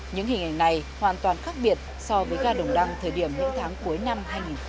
những hình ảnh này hoàn toàn khác biệt so với ga đồng đăng thời điểm những tháng cuối năm hai nghìn một mươi chín